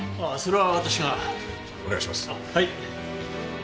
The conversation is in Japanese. はい。